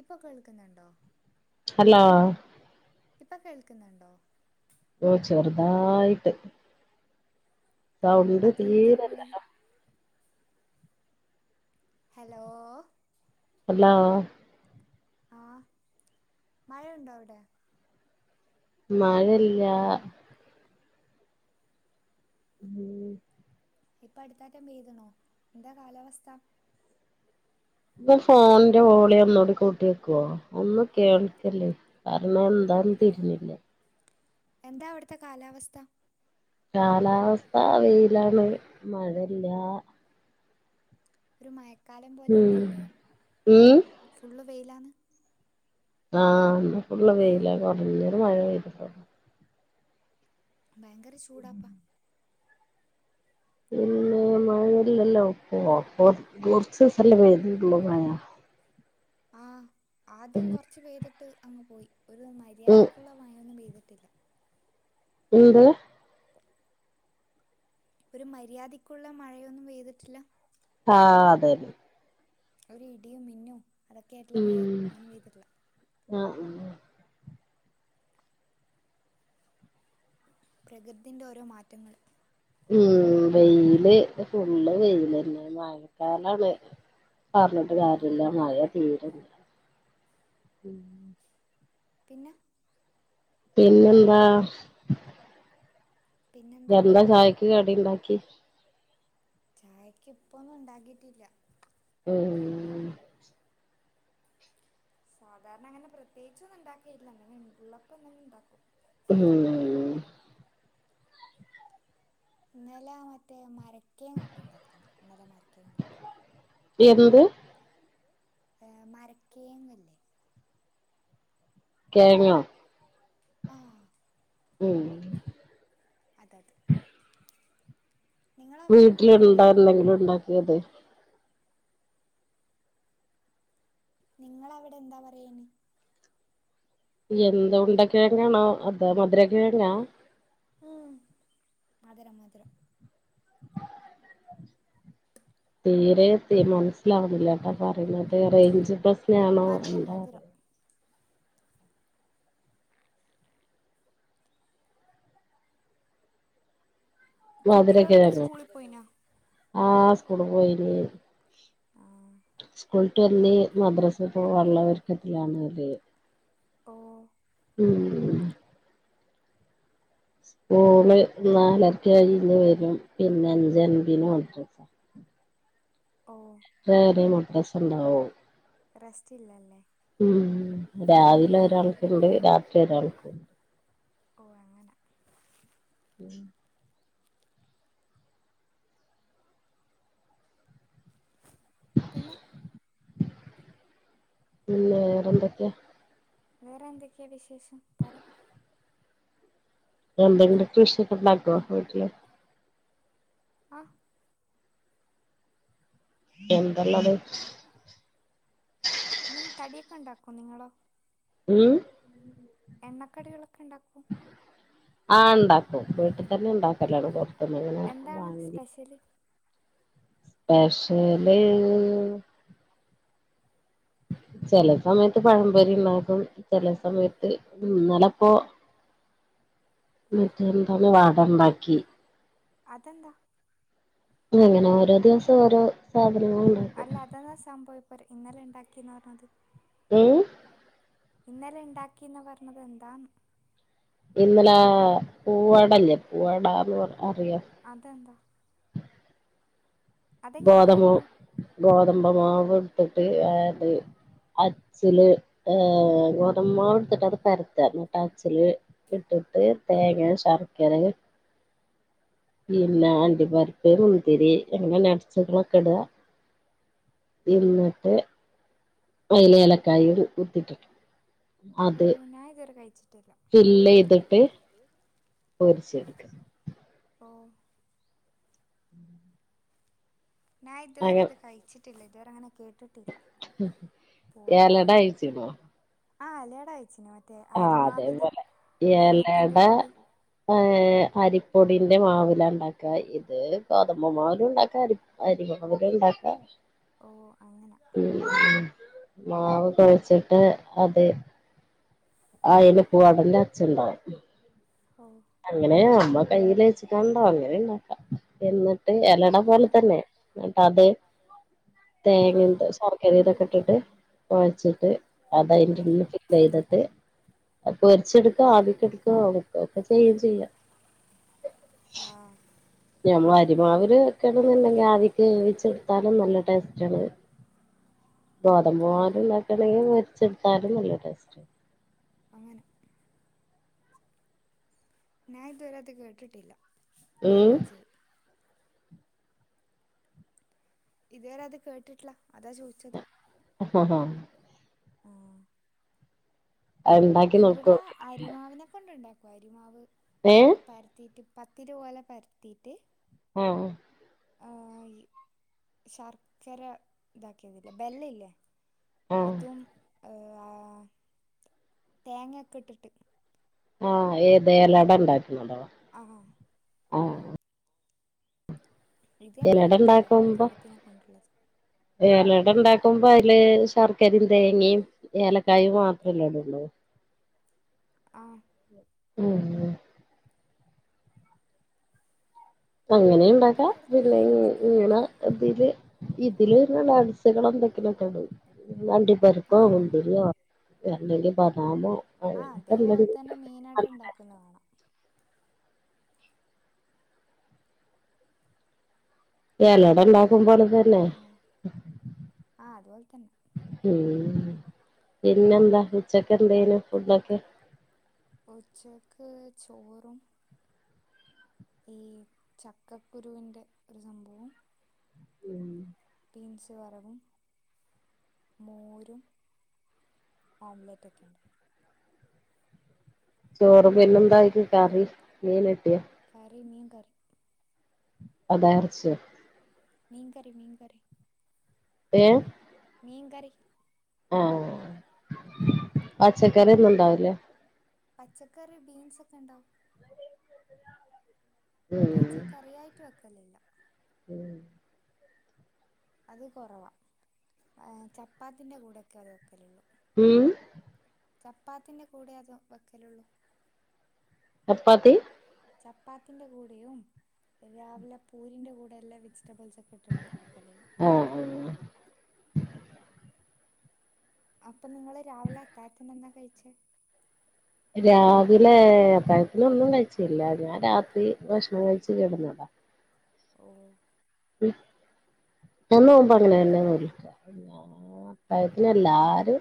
ഇപ്പൊ കേൾക്ക്ന്ന്ണ്ടോ? ഹലോ ഇപ്പൊ കേൾക്ക്ന്ന്ണ്ടോ? ഓ ചെറുതായിട്ട്. സൗണ്ട് അതെന്താ വിളി തീരെല്ലല്ലോ? ഹലോ? ഹല്ലോ? ആഹ മഴയുണ്ടോ അവിടെ? മഴല്യ. ഉം ഇപ്പൊ അടുത്ത അറ്റം പെയ്തണോ എന്താ കാലാവസ്ഥ? ഇ ഫോണിന്റെ വോളി ഒന്നോടി കൂട്ടി വക്കുവോ? ഒന്നും കേൾക്കല്ല പറഞ്ഞ [unintelligible] അവിടെ തിരുന്നില്ല. എന്താ അവിടുത്തെ കാലാവസ്ഥ? കാലാവസ്ഥ വെയിലാണ്. മഴയില്ല. ഒരു മഴക്കാലം പോലെ ഉം ഇല്ലല്ലേ ഉം ഫുള്ള് വെയിലാണ്. ആഹ [unintelligible] വെയില കുറഞ്ഞ മഴ പെയ്തിട്ടുള്ളു. ഭയങ്കര ചൂടാപ്പാ. ഉം മഴല്ലല്ലോപ്പറ കുറച്ച് സ്ഥലം പെയ്തിട്ടുള്ളു. മഴ ആഹ് ആദ്യം കൊറച്ച് പെയ്തിട്ട് അങ്ങ് പോയി ഒ. രു ഉം മര്യാദക്കുള്ള മായൊന്നും പെയ്തി [unintelligible] [unintelligible] ഒരു മര്യാദക്കുള്ള മഴയൊന്നും പെയ്തിട്ടില്ല ആ അതെന്നെ ഒരു ഇടിയും മിന്നും അതൊക്കെ ആയിട്ടുള്ള മഴ അതൊന്നും പെയ്തിട്ടില്ല. ആ ഉം പ്രകൃതിന്റെ ഓരോ മാറ്റങ്ങൾ ഉം വെയില് ഫുള്ള് വെയിലന്നെ മഴക്കാലാണ് പറഞ്ഞിട്ടുകാര്യല്ല ആ മഴ തീരണ്ട പിന്നെ പിന്നെന്താ പിന്നെന്താണ് എന്താ ചായക്ക് കടിണ്ടാക്കി? ചായക്ക് ഇപ്പൊന്നും ഉണ്ടാക്കിട്ടില്ല ഉം സാധാരണ അങ്ങനെ പ്രത്യേകിച്ച ഒന്നും ഇണ്ടാക്കയില്ല എന്ന ഉള്ളപ്പോ എന്തെങ്ക ഉണ്ടാക്കും ഉം ഇനല മറ്റേ മരക്കേങ്ങൊക്കെ ഇണ്ടാക്കിനി ഇനില മരക്കേങ് ഉള്ളപ്പോ എന്ത് ഏ മരക്കേങ്ങില്ലേ? കോങ്ങോ? ആ ഉം അതത് നിങ്ങളവിടെ എന്താ അയിന് വീട്ടിലുണ്ട പറയാ എന്തെങ്കിലും ഉണ്ടാക്കിയതെ? നിങ്ങള് അവിടെ എന്താ പറയണേ? എന്ത് ഉണ്ടക്കിഴങ്ങാണോ അതാ മധുര കിഴങ്ങാ ആ മധുരം മധുരം തീരെ തെ മനസ്സിലാവുന്നില്ലേട്ടാ പറയുന്നത് റേഞ്ച് പ്രസ് ശ്ണാണോ മധുരം എന്താ മധുരം കുട്ടികളൊക്കെ മധുരക്കിഴങ്ങോ സ്കൂളിൽ പോയിനാ ആഹ് സ്കൂളി പോയിന് ആ സ്കൂൾ വിട്ട് വന്ന് മദ്രാസപ്പോവാള്ള ഒരുക്കത്തിലാണ് ഓല് ഓ ഉം സ്കൂള് നാലരയ്ക്ക് കഴിഞ്ഞ് വരും. പിന്നെ അഞ്ചേ അഞ്ചിന് മദ്രസ. ഓ എത്ര നേരം മദ്രസ ഇണ്ടാവും. റസ്റ്റ് ഇല്ലല്ലേ? ഉം രാവിലെ ഒരാൾക്ക് ഇണ്ട്. രാത്രി ഒരാൾക്കും. ഓ അങ്ങനെ ഉം പിന്നെ പിന്നെ വേറെന്തൊക്കെയാ? വേറെ എന്തൊക്കെയാ വിശേഷം പറ എന്തെങ്കിലും കൃഷി ഒക്കെ ഇണ്ടാക്കോ വീട്ടില്? ആഹ് എന്തെല്ലാത്? എന്തെങ്കും കടിയൊക്കെ ഇണ്ടാക്കും നിങ്ങളോ? ഉം എണ്ണക്കടികളൊക്കെ ഇണ്ടാക്കും ആഹ് ഇണ്ടാക്കും വീട്ട് തന്നെ ഇണ്ടാക്കലാണ് പൊറത്തുന്ന് അങ്ങനെ എന്താണ് വാങ്ങല് സ്പെഷ്യല് സ്പെഷ്യല് ചെല സമയത്ത് പഴം പൊരി ഇണ്ടാക്കും ചെല സമയത്ത് ഇന്നലെപ്പോ മറ്റേ എന്താണ് വട ഇണ്ടാക്കി അതെന്താ? അങ്ങനെ ഓരോ ദിവസം ഓരോ സാ അല്ല അതെന്താ സംഭവം ഇപ്പ ര് ഇന്നലെ ഇണ്ടാക്കീന്ന് പറഞ്ഞത് ഉം ഇന്നലെ ഇണ്ടാക്കീന്ന് പറഞ്ഞത് എന്താന്ന്? ഇന്നലെ വട ഇല്ലേ വടാന്ന് പറ അതെന്താ? അതെങ്ങനെ ഗോതമ്പ് ഉണ്ടാക്കാ ഗോതമ്പ്മാവു ഇട്ടിട്ട് ഏഹ് അത് അച്ചില് ഏഹ് ഗോതമ്പുമാവ് എടുത്തിട്ട് അത് പരത്താ എന്നിട്ട് അത് അച്ചില് ഇട്ട് ഇട്ട് തേങ്ങേം ശർക്കരേം പിന്നെ അണ്ടിപരിപ്പ് മുന്തിരി എങ്ങന [unintelligible] ഇട എന്നിട്ട് അയില് ഏലക്കായും കുത്തിട്ടിട്ട് ഓ അത് ഞാൻ ഇതുവരെ കഴിച്ചിട്ടില്ല [inaudible] പോരിച്ചേടുക്ക ഓ ഞാ ഇതുവരെ അങ്ങ അത് കഴിച്ചിട്ടില്ല ഇതുവരെ അങ്ങനെ കേട്ടിട്ടില്ല ഏലട പൂവടാന്നൊന്നും അയിച്ചിവോ ആ എലട അയച്ചിന് മ ആഹ് അതേപോലെ ബെല്ലത്തിൻ്റെ ഏലട ഇട്ടിട്ട് ഏയ് അരിപ്പൊടിന്റെ മാവിലാ ഇണ്ടാക്ക ഇത് ഗോതമ്പുമാവിലും ഇണ്ടാക്ക അരി അരി മാവിലും ഇണ്ടാക് ഓഹ് അങ്ങന ഉം മാവ് ടെച്ചിട്ട് അതെ അയില് പൂവടന്റെ അച്ഛ് ഇണ്ടാവും ഓ അങ്ങനെ അമ്മ കയ്യില് വച്ചിട്ടണ്ടോ അങ്ങനെ ഇണ്ടാക്കാം എന്നി ട്ട് എലട പോലെ അങ്ങനെ തന്നെ എന്ട്ട് അത് തേങ്ങേം ആഹ് ശർക്കരേംദേ ഇട്ടിട്ട് കോഴച്ചിട്ട് അത് അതിന്റെ ആഹ് ഉള്ളില് ഫിൽ എയ്തിട്ട് പോരിച്ചെടുക്ക ആവിക്കെടുക്ക [unintelligible] ചെയ്യാം ചെയ്യാം ആഹ് ഞമ്മൾ അരിമാവിൽ [unintelligible] ആവിക് വേവിച്ച് ടുത്താലും നല്ല ടേസ്റ്റ് ആണ് ഗോതമ്പ് ആഹ് മാവിൽ [unintelligible] പൊരിച്ചെടുത്താലും നല്ല ടേസ്റ്റ് അങ്ങനെ ഞാൻ ഇതുവരെ അത് കേട്ടിട്ടില്ല അതാ ഉം ചോയിച്ചത് ഇതുവരെ അത് കേട്ടിട്ട്ല്ല അതാ ചോയിച്ചത് ആ ഹാ അത് ഉണ്ടാക്കി ഇവിടെ നോക്കോണ്ടി അരിമാവിനെ കൊണ്ടുണ്ടാക്കും അരിമാവ് ഏ പരത്തീട്ട് പത്തിരിപോലെ പരത്തീട്ട് ആ ആ ഈ ശർക്കര ഇതാക്കിയതില്ലേ ബെല്ലം ഇല്ലേ ആഹ് അതും തേങ്ങ ഒക്കെ ഇട്ടിട്ട് ആ ഏതലട ഉണ്ടാക്കുന്നതോ ആഹ് ആ ഇതേ വരെ കേട്ടിട്ടില്ല ഉണ്ടാക്കുമ്പോ കോതമ്പത്തിനെ കൊണ്ടുള്ളത് ഇടെ ഉണ്ടാക്കുമ്പോ അതില് ശർക്കരിം തേങ്ങേ ഏലക്കായും മാത്രല്ല ഇടെള്ളൂ ആ [unintelligible] അങ്ങനെയും ഉണ്ടാക്കാം ഇവിടുന്ന് പിന്നെ ഇങ് മീനടക്കെ ഇങ്ങനെ ഉണ്ടാക്കുന്ന കാണാം ഇതില് ഇ ഇതില് നട്സുകൾ എന്തൊക്കിലൊക്കെ [unintelligible] അണ്ടിപ്പരിപ്പോ ആഹ് മുന്ദിരോ അല്ലങ്കിൽ ബ ദാമോ ആ അതേപോലെ തന്നെ മീനട ഇണ്ടാകുന്നത് കാണാം ഇലട ഹലോ ഉണ്ടാക്കും പ്പോലെ തന്നെ ആഹ് ആഹ് അതുപോലെ തന്നെ ഉം പിന്നെന്ത ഉച്ചക്കെന്തേനു ഫുഡൊക്കെ ഉച്ചക്ക് ചോറും ഈ ചക്കക്കുരുവിന്റെ ഒരു സംഭവും ഉം ബീൻസ് വറവും മോരും ആലെറ്റൊക്കെ ചോറും പിന്നെന്തായിക്ക് കറി മീൻ ഇട്ടിയ ക്കർ [unintelligible] അതാർചോ മീൻ കറി മീൻ കറി ഏ മീൻ കറി ആഹ പച്ചക്കറി ഒന്നും ഉണ്ടാവില പച്ചക്കറി ബീൻസ്ക്കെ ഉണ്ടാവും പച്ചക്കറിയായിട്ട് വെക്കലില്ല ഉം അത് കൊറവാ ചപ്പാത്തിന്റെ കൂടെൊക്കെ അത് വെക്കലോള്ളൂ ഹം ചപ്പാത്തിന്റെ കൂടെ അത് വെക്കലുള്ളൂ ചപ്പാത്തി ചപ്പാത്തിന്റെ കൂടെയും രാവിലെ പൂരിന്റെ കൂടെയല്ലാം വെജിറ്റബിൾസ് ഒക്കെ ഇട്ടിട്ട് വെക്കലുള്ളൂ ആഹ അപ്പൊ നിങ്ങള് രാവിലെ അത്താത്തിനന്താ കഴിച്ചേ രാവിലെ അത്തായത്തിന് ഒന്നും കയി ച്ചില്ല ഞാൻ രാത്രി ഭക്ഷണം കഴിച്ചുകെട ന്നതാ ഓ ഉ ഞാൻ നോുമ്പോ അങ്ങനെ തന്നെന്ന ഞാൻ അപ്പായത്തിന് എല്ലാരും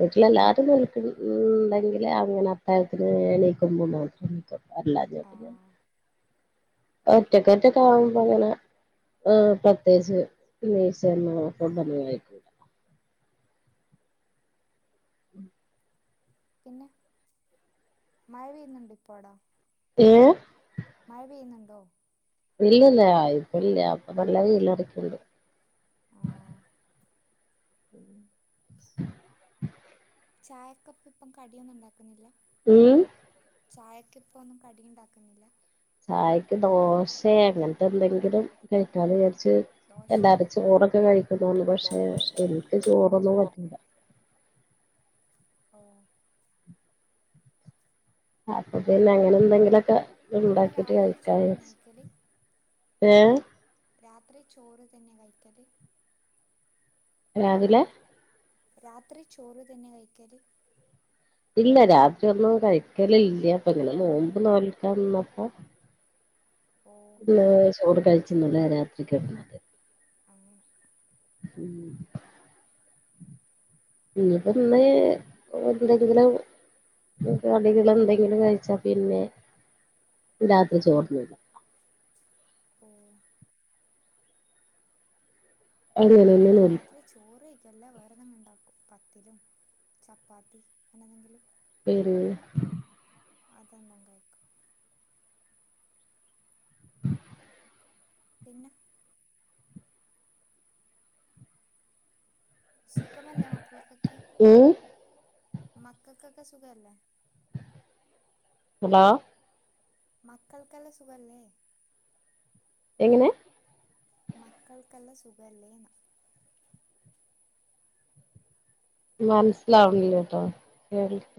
വീട്ടിലെ എല്ലാരും നൽക്കണ്ടെങ്കില്േ അങ്ങനെ അത്തഹത്തിന് എണീക്കുമ്പോിക്ക വല്ലാജക്ക ആഹ് ഒറ്റക്ക ഒറ്റക്കെ ആവുമ്പോ അങ്ങനെ പ്രത്യേകിച്ച് പിന്ന ച ആഹ് കൊണ്ടന്ന ആായിക്കൂട ഉം പിന്നെ മഴ പെയ്യുന്നുണ്ട് ഇപ്പോടാ ഏഹ് മഴ പെയ്യുന്നുണ്ടോ ഇല്ലല്ല ഇപ്പ ഇല്ല അപ്പൊ നല്ല വീല്ലടക്കണ്ട് ആ ചായക്കപ്പ് ഇപ്പം കടിയൊന്നും ഉണ്ടാക്കുന്നില്ല ഉം ചായക്ക ഇപ്പ ഒന്നും കട ഉണ്ടാക്കുന്നില്ല ചായക്ക് ദോശയഅങ്ങനത്തെ എന്തെങ്കിലും കഴിക്കാൻ ദോശയോ എല്ലാരാരും ചോറൊക്കെ കഴിക്കുന്നന്ന് പക്ഷെ എനിക്ക് ചോറൊന്നും പറ്റില്ല ഓ അപ്പൊ പിന്നെ അങ്ങനെ എന്തെങ്കിലുംൊക്കെ ഇ അപ്പൊ ഉണ്ടാക്കിട്ട് രാത്രി കഴിക്കാ ചോറന്നെ കഴിക്കല് വിചാരിച്ചു ഏ രാത്രി ചോറ് തന്നെ കഴിക്കല് രാവിലെ രാത്രി ചോറ് തന്നെ കഴിക്കല് ഇല്ല രാത്രി ഒന്നും കഴിക്കല ഇല്ല അപ്പൊ ഇങ്ങനെ നോമ്പ് നോൽക്കാന്നപ്പോ ഓ ഇന്ന ചോറ് കഴ്ചന്നല്ലേ രാത്രിക്ക് കിടാ നത് അങ്ങനെ ഉം ഇനിപ്പ ഇന്ന് എന്തെങ്കില കടികൾ എന്തെങ്കിലും കഴിച്ച പിന്നെ രാത്രി ചോർതിന്നുല്ല ആ അങ്ങനെന്നെ അവിടെ നോൽക്കും രാത്രി ചോറ് കഴിക്കും ചെല്ലാ വേറതങ്ങ ഉണ്ടാക്കും പത്തിലും ചപ്പാത്തി അങ്ങനെതെങ്കിലും പിന്നെ അതാനെ കഴിക്കും പിന്നെ സുഖമല്ലേ മക്കൾക്കൊക്കെ ഉം മക്കൾക്കൊക്കെ സുഖല്ലേ ഹലോ മക്കൾക്കെല്ല സുഖല്ലേ എങ്ങനെ മക്കള്ക്കല്ല സുഖമല്ലേ എന്ന മനസിലാവില്ലേ കേട്ടോ കേൾക്ക